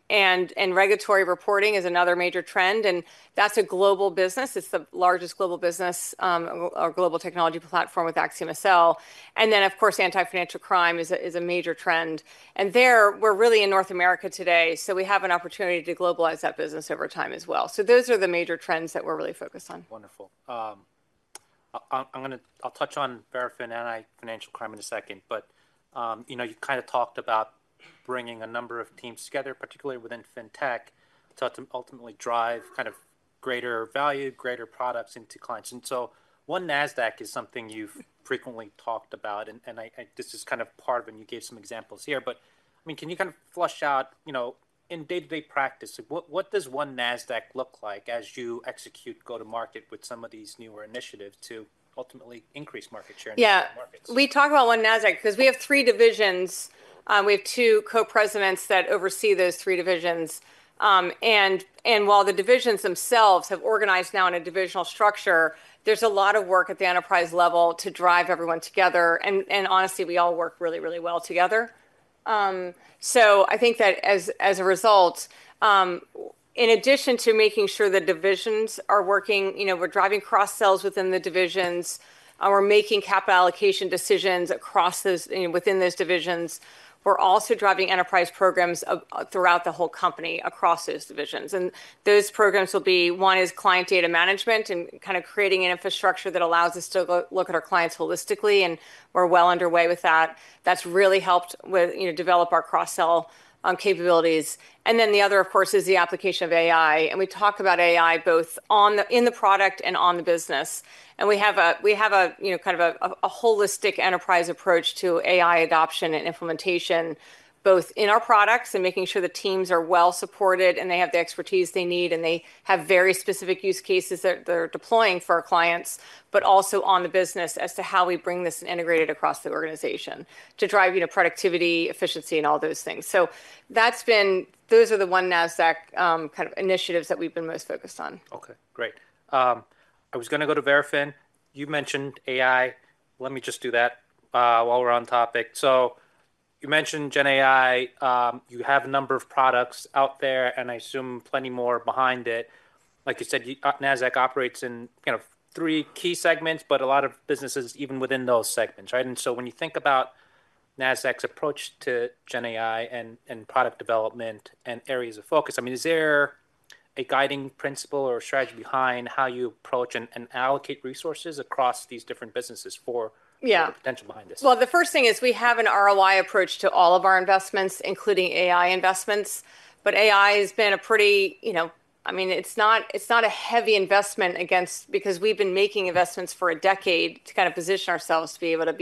regulatory reporting is another major trend. And that's a global business. It's the largest global business, our global technology platform with AxiomSL. And then, of course, anti-financial crime is a major trend. And there, we're really in North America today. So we have an opportunity to globalize that business over time as well. So those are the major trends that we're really focused on. Wonderful. I'll touch on Verafin and financial crime in a second. But you kind of talked about bringing a number of teams together, particularly within fintech, to ultimately drive kind of greater value, greater products into clients. And so One Nasdaq is something you've frequently talked about. And this is kind of part of, and you gave some examples here. But I mean, can you kind of flesh out, in day-to-day practice, what does One Nasdaq look like as you execute go-to-market with some of these newer initiatives to ultimately increase market share in different markets? Yeah. We talk about One Nasdaq because we have three divisions. We have two co-presidents that oversee those three divisions. And while the divisions themselves have organized now in a divisional structure, there's a lot of work at the enterprise level to drive everyone together. And honestly, we all work really, really well together. So I think that as a result, in addition to making sure that divisions are working, we're driving cross-sells within the divisions. We're making capital allocation decisions across those, within those divisions. We're also driving enterprise programs throughout the whole company across those divisions. And those programs will be, one is client data management and kind of creating an infrastructure that allows us to look at our clients holistically. And we're well underway with that. That's really helped develop our cross-sell capabilities. And then the other, of course, is the application of AI. We talk about AI both in the product and on the business. We have a kind of a holistic enterprise approach to AI adoption and implementation, both in our products and making sure the teams are well supported and they have the expertise they need and they have very specific use cases that they're deploying for our clients, but also on the business as to how we bring this and integrate it across the organization to drive productivity, efficiency, and all those things. Those are the One Nasdaq kind of initiatives that we've been most focused on. Okay. Great. I was going to go to Verafin. You mentioned AI. Let me just do that while we're on topic. So you mentioned GenAI. You have a number of products out there and I assume plenty more behind it. Like you said, Nasdaq operates in kind of three key segments, but a lot of businesses even within those segments. And so when you think about Nasdaq's approach to GenAI and product development and areas of focus, I mean, is there a guiding principle or strategy behind how you approach and allocate resources across these different businesses for the potential behind this? Yeah. Well, the first thing is we have an ROI approach to all of our investments, including AI investments. But AI has been a pretty, I mean, it's not a heavy investment against, because we've been making investments for a decade to kind of position ourselves to be able to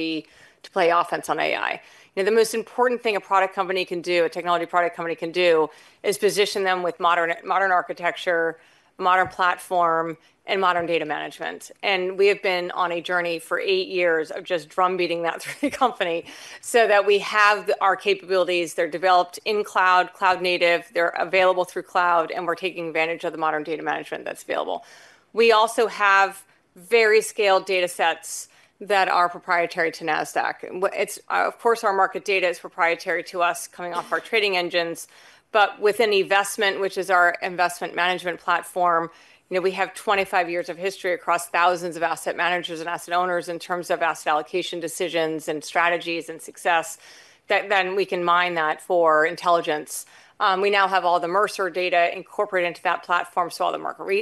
play offense on AI. The most important thing a product company can do, a technology product company can do, is position them with modern architecture, modern platform, and modern data management. And we have been on a journey for eight years of just drumbeating that through the company so that we have our capabilities. They're developed in cloud, cloud native. They're available through cloud. And we're taking advantage of the modern data management that's available. We also have very scaled data sets that are proprietary to Nasdaq. Of course, our market data is proprietary to us coming off our trading engines. But within the investment, which is our investment management platform, we have 25 years of history across thousands of asset managers and asset owners in terms of asset allocation decisions and strategies and success that then we can mine that for intelligence. We now have all the Mercer data incorporated into that platform. So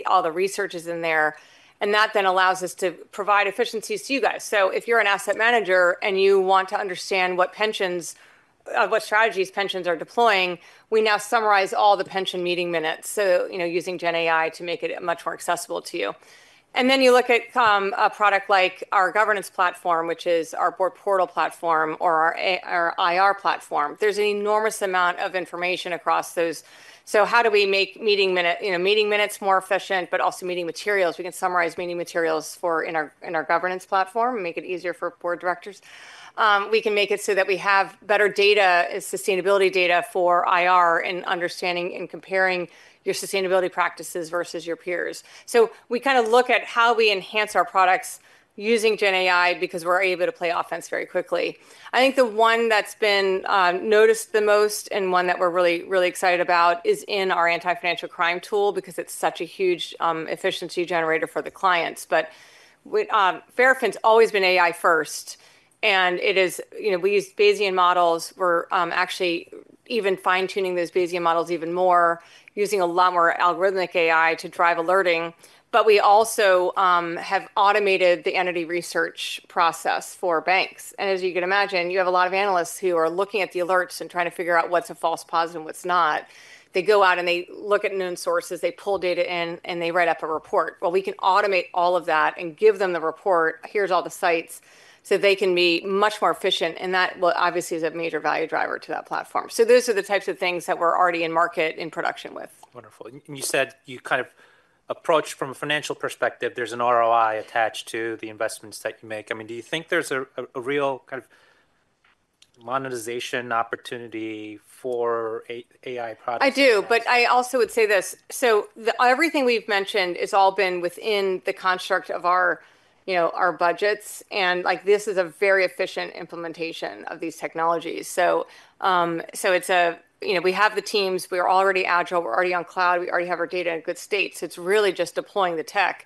all the research is in there. And that then allows us to provide efficiencies to you guys. So if you're an asset manager and you want to understand what strategies pensions are deploying, we now summarize all the pension meeting minutes using GenAI to make it much more accessible to you. And then you look at a product like our governance platform, which is our portal platform or our IR platform. There's an enormous amount of information across those. How do we make meeting minutes more efficient, but also meeting materials? We can summarize meeting materials in our governance platform and make it easier for board directors. We can make it so that we have better data, sustainability data for IR and understanding and comparing your sustainability practices versus your peers. We kind of look at how we enhance our products using GenAI because we're able to play offense very quickly. I think the one that's been noticed the most and one that we're really, really excited about is in our anti-financial crime tool because it's such a huge efficiency generator for the clients. But Verafin has always been AI first. And we use Bayesian models. We're actually even fine-tuning those Bayesian models even more, using a lot more algorithmic AI to drive alerting. But we also have automated the entity research process for banks. As you can imagine, you have a lot of analysts who are looking at the alerts and trying to figure out what's a false positive and what's not. They go out and they look at known sources. They pull data in and they write up a report. We can automate all of that and give them the report. Here's all the sites, so they can be much more efficient. That obviously is a major value driver to that platform. Those are the types of things that we're already in market in production with. Wonderful. And you said you kind of approach from a financial perspective. There's an ROI attached to the investments that you make. I mean, do you think there's a real kind of monetization opportunity for AI products? I do. But I also would say this. So everything we've mentioned has all been within the construct of our budgets. And this is a very efficient implementation of these technologies. So we have the teams. We are already agile. We're already on cloud. We already have our data in good state. So it's really just deploying the tech.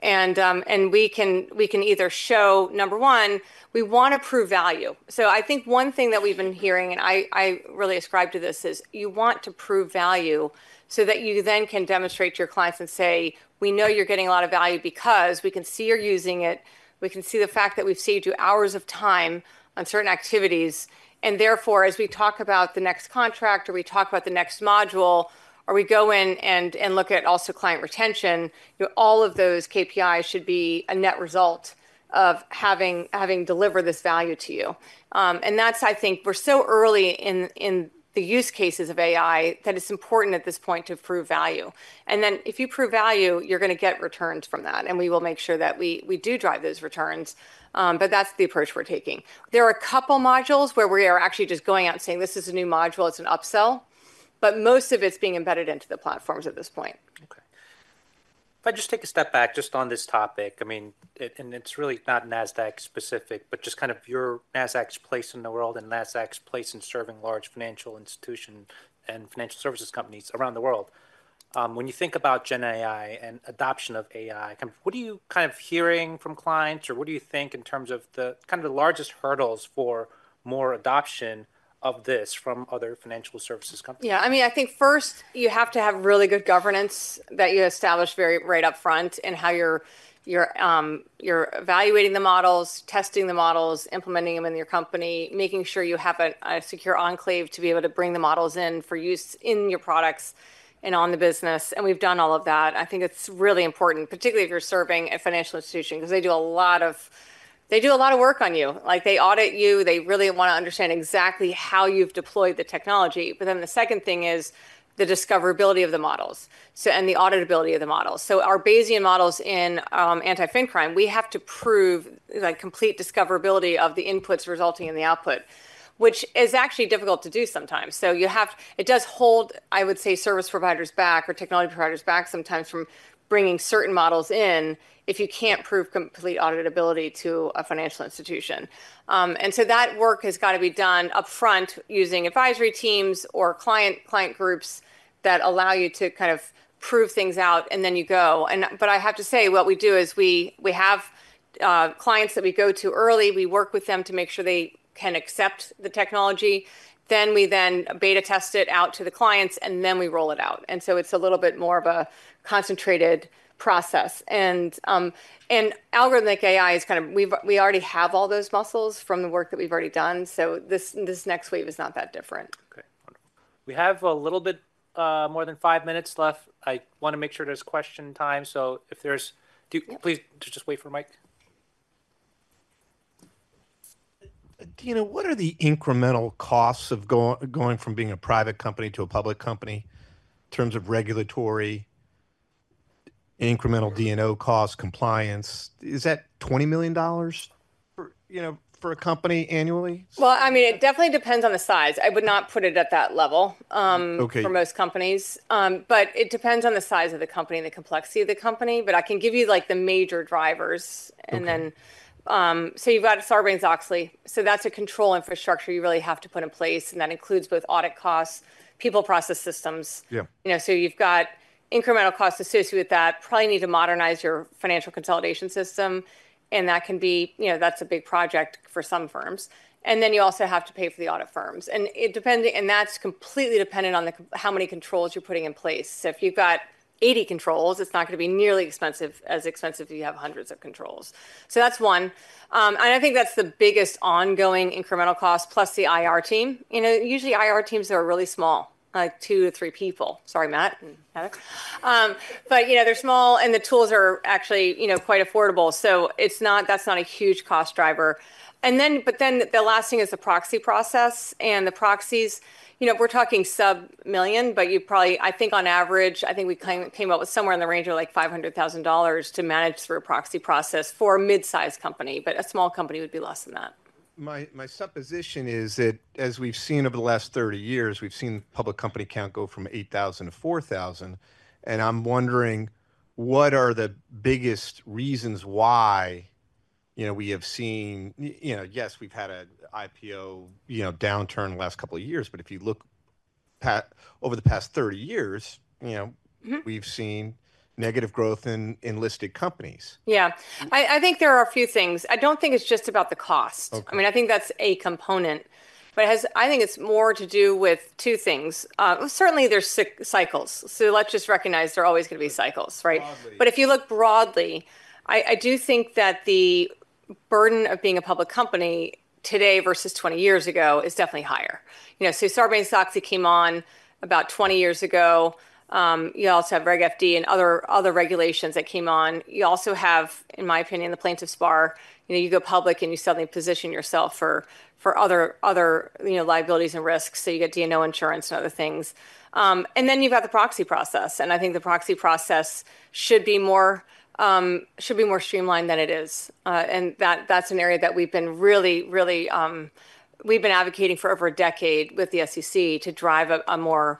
And we can either show, number one, we want to prove value. So I think one thing that we've been hearing, and I really ascribe to this, is you want to prove value so that you then can demonstrate to your clients and say, we know you're getting a lot of value because we can see you're using it. We can see the fact that we've saved you hours of time on certain activities. And therefore, as we talk about the next contract, or we talk about the next module, or we go in and look at also client retention, all of those KPIs should be a net result of having delivered this value to you. And that's, I think, we're so early in the use cases of AI that it's important at this point to prove value. And then if you prove value, you're going to get returns from that. And we will make sure that we do drive those returns. But that's the approach we're taking. There are a couple of modules where we are actually just going out and saying, this is a new module. It's an upsell. But most of it's being embedded into the platforms at this point. Okay. If I just take a step back just on this topic, I mean, and it's really not Nasdaq specific, but just kind of your Nasdaq's place in the world and Nasdaq's place in serving large financial institutions and financial services companies around the world. When you think about GenAI and adoption of AI, what are you kind of hearing from clients? Or what do you think in terms of the kind of the largest hurdles for more adoption of this from other financial services companies? Yeah. I mean, I think first, you have to have really good governance that you establish right up front in how you're evaluating the models, testing the models, implementing them in your company, making sure you have a secure enclave to be able to bring the models in for use in your products and on the business. And we've done all of that. I think it's really important, particularly if you're serving a financial institution because they do a lot of work on you. They audit you. They really want to understand exactly how you've deployed the technology. But then the second thing is the discoverability of the models and the auditability of the models. So our Bayesian models in anti-fin crime, we have to prove complete discoverability of the inputs resulting in the output, which is actually difficult to do sometimes. So it does hold, I would say, service providers back or technology providers back sometimes from bringing certain models in if you can't prove complete auditability to a financial institution. And so that work has got to be done upfront using advisory teams or client groups that allow you to kind of prove things out. And then you go. But I have to say, what we do is we have clients that we go to early. We work with them to make sure they can accept the technology. Then we then beta test it out to the clients. And then we roll it out. And so it's a little bit more of a concentrated process. And algorithmic AI is kind of we already have all those muscles from the work that we've already done. So this next wave is not that different. OK. Wonderful. We have a little bit more than five minutes left. I want to make sure there's question time. So please just wait for Mike. Adena, what are the incremental costs of going from being a private company to a public company in terms of regulatory, incremental D&O costs, compliance? Is that $20 million for a company annually? I mean, it definitely depends on the size. I would not put it at that level for most companies. It depends on the size of the company and the complexity of the company. I can give you the major drivers. You've got Sarbanes-Oxley. That's a control infrastructure you really have to put in place. And that includes both audit costs, people, process, systems. You've got incremental costs associated with that. Probably need to modernize your financial consolidation system. And that can be a big project for some firms. You also have to pay for the audit firms. And that's completely dependent on how many controls you're putting in place. If you've got 80 controls, it's not going to be nearly as expensive as if you have hundreds of controls. That's one. I think that's the biggest ongoing incremental cost plus the IR team. Usually, IR teams are really small, like two to three people. Sorry, Matt and Heather. They're small. The tools are actually quite affordable. That's not a huge cost driver. Then the last thing is the proxy process. The proxies, we're talking sub-million. I think on average, I think we came up with somewhere in the range of like $500,000 to manage through a proxy process for a mid-sized company. A small company would be less than that. My supposition is that as we've seen over the last 30 years, we've seen public company count go from 8,000 to 4,000, and I'm wondering, what are the biggest reasons why we have seen yes, we've had an IPO downturn the last couple of years, but if you look over the past 30 years, we've seen negative growth in listed companies. Yeah. I think there are a few things. I don't think it's just about the cost. I mean, I think that's a component, but I think it's more to do with two things. Certainly, there's cycles, so let's just recognize there are always going to be cycles, but if you look broadly, I do think that the burden of being a public company today versus 20 years ago is definitely higher. So Sarbanes-Oxley came on about 20 years ago. You also have Reg FD and other regulations that came on. You also have, in my opinion, the plaintiff's bar. You go public and you suddenly position yourself for other liabilities and risks, so you get D&O insurance and other things, and then you've got the proxy process. And I think the proxy process should be more streamlined than it is. And that's an area that we've been really, really advocating for over a decade with the SEC to drive a more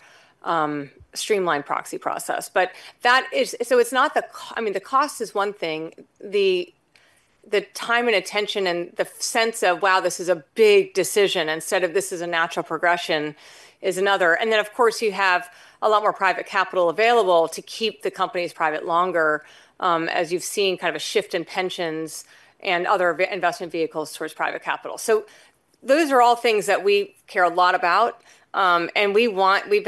streamlined proxy process. So it's not... I mean, the cost is one thing. The time and attention and the sense of, wow, this is a big decision instead of this is a natural progression is another. And then, of course, you have a lot more private capital available to keep the companies private longer, as you've seen kind of a shift in pensions and other investment vehicles towards private capital. So those are all things that we care a lot about. And we've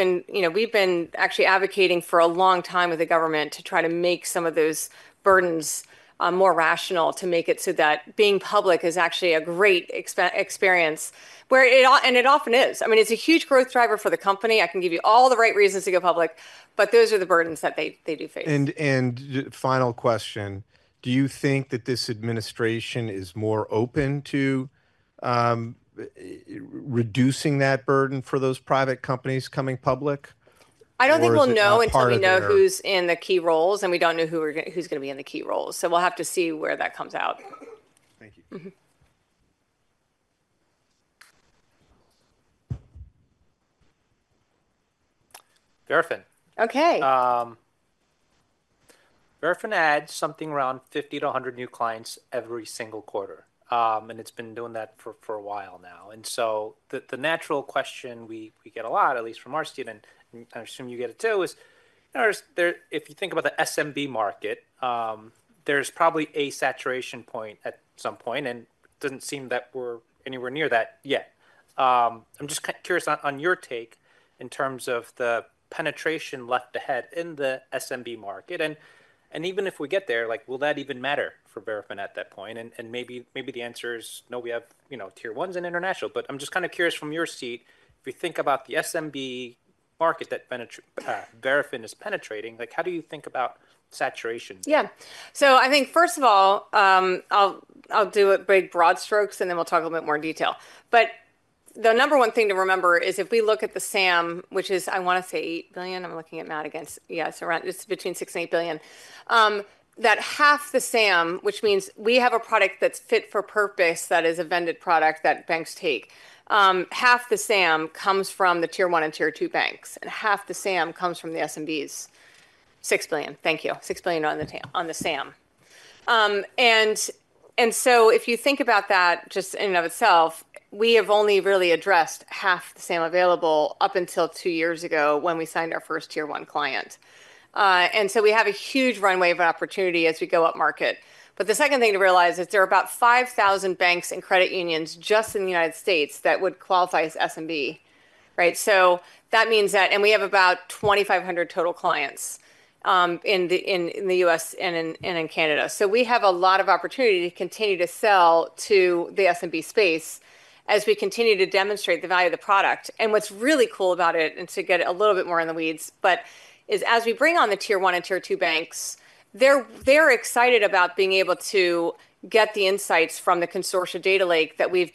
been actually advocating for a long time with the government to try to make some of those burdens more rational to make it so that being public is actually a great experience. And it often is. I mean, it's a huge growth driver for the company. I can give you all the right reasons to go public, but those are the burdens that they do face. Final question. Do you think that this administration is more open to reducing that burden for those private companies coming public? I don't think we'll know until we know who's in the key roles. And we don't know who's going to be in the key roles. So we'll have to see where that comes out. Thank you. Verafin. OK. Verafin adds something around 50-100 new clients every single quarter, and it's been doing that for a while now. So the natural question we get a lot, at least from our sell-side, and I assume you get it too, is if you think about the SMB market, there's probably a saturation point at some point. And it doesn't seem that we're anywhere near that yet. I'm just curious on your take in terms of the penetration left ahead in the SMB market. And even if we get there, will that even matter for Verafin at that point? And maybe the answer is, no, we have tier ones and international. But I'm just kind of curious from your seat, if you think about the SMB market that Verafin is penetrating, how do you think about saturation? Yeah. So I think, first of all, I'll do a big broad strokes. And then we'll talk a little bit more in detail. But the number one thing to remember is if we look at the SAM, which is, I want to say, $8 billion. I'm looking at my notes, yeah, it's around, between $6 billion and $8 billion. That's half the SAM, which means we have a product that's fit for purpose that is a vended product that banks take. Half the SAM comes from the tier one and tier two banks. And half the SAM comes from the SMBs. $6 billion. Thank you. $6 billion on the SAM. And so if you think about that just in and of itself, we have only really addressed half the SAM available up until two years ago when we signed our first tier one client. We have a huge runway of opportunity as we go up market. The second thing to realize is there are about 5,000 banks and credit unions just in the United States that would qualify as SMB. That means that we have about 2,500 total clients in the US and in Canada. We have a lot of opportunity to continue to sell to the SMB space as we continue to demonstrate the value of the product. What's really cool about it, and to get a little bit more in the weeds, is as we bring on the tier one and tier two banks, they're excited about being able to get the insights from the Consortium Data Lake that we've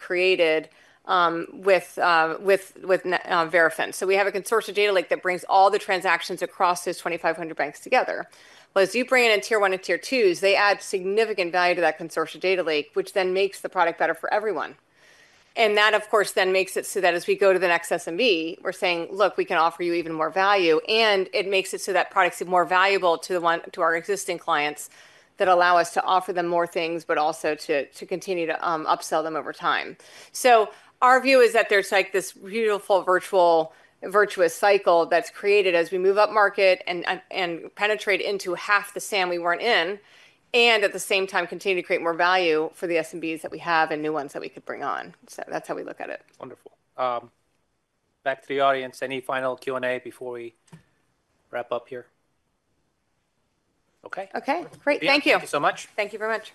created with Verafin. We have a Consortium Data Lake that brings all the transactions across those 2,500 banks together. As you bring in tier one and tier twos, they add significant value to that consortium data lake, which then makes the product better for everyone. That, of course, then makes it so that as we go to the next SMB, we're saying, look, we can offer you even more value. It makes it so that products are more valuable to our existing clients that allow us to offer them more things, but also to continue to upsell them over time. Our view is that there's this beautiful virtuous cycle that's created as we move up market and penetrate into half the SAM we weren't in, and at the same time continue to create more value for the SMBs that we have and new ones that we could bring on. That's how we look at it. Wonderful. Back to the audience. Any final Q&A before we wrap up here? OK. OK. Great. Thank you. Thank you so much. Thank you very much.